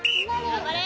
頑張れ！